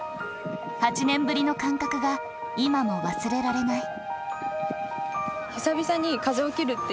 ８年ぶりの感覚が今も忘れられない。